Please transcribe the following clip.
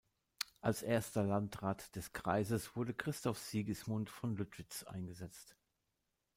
Als erster Landrat des Kreises wurde Christoph Sigismund von Lüttwitz eingesetzt.